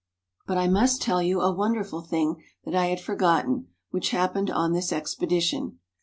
But I must tell you a wonderful thing that I had forgot ten, which happened on this expedition.